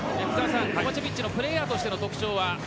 コバチェビッチのプレーヤーとしての特徴は？